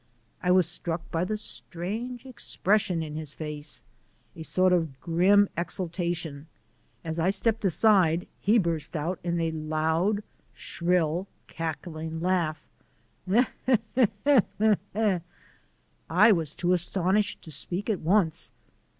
I was struck by the strange expression in his face a sort of grim exaltation. As I stepped aside he burst out in a loud, shrill, cackling laugh: "He he he he he he " I was too astonished to speak at once.